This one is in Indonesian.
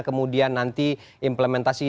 kemudian nanti implementasi